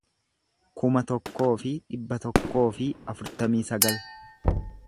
kuma tokkoo fi dhibba tokkoo fi afurtamii sagal